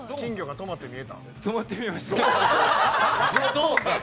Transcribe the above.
止まって見えました。